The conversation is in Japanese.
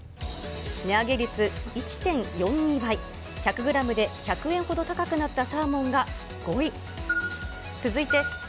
値上げ率１．４２倍、１００グラムで１００円ほど高くなったサーモンが５位。